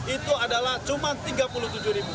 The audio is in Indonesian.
itu adalah cuma tiga puluh tujuh ribu